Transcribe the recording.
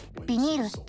ビニール